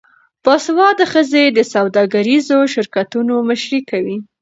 باسواده ښځې د سوداګریزو شرکتونو مشري کوي.